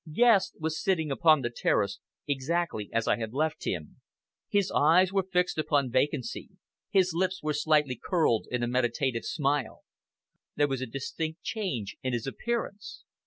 Guest was sitting upon the terrace, exactly as I had left him. His eyes were fixed upon vacancy, his lips were slightly curled in a meditative smile. There was a distinct change in his appearance.